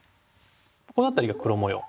この辺りが黒模様